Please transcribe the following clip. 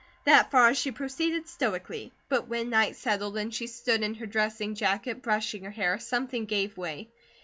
That far she proceeded stoically; but when night settled and she stood in her dressing jacket brushing her hair, something gave way.